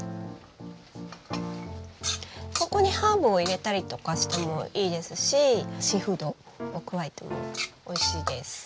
ここにハーブを入れたりとかしてもいいですしシーフードを加えてもおいしいです。